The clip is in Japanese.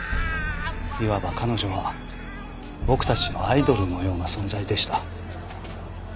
言わば彼女は僕たちのアイドルのような存在でした。